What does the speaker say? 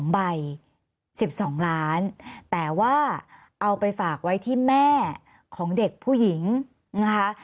๒ใบ๑๒ล้านแต่ว่าเอาไปฝากไว้ที่แม่ของเด็กผู้หญิงนะคะ